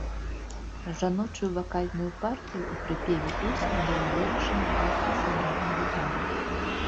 Жаночую вакальную партыю ў прыпеве песні было вырашана проста сыграць на гітарах.